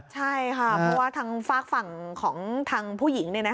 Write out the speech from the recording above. ใช่ค่ะเพราะว่าทางฝากฝั่งของทางผู้หญิง